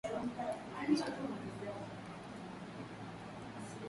Wanajeshi ambao walikuwa wamepewa jukumu hili walikuwa